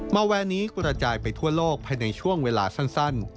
มาแวร์นี้กระจายไปทั่วโลกภายในช่วงเวลาสั้น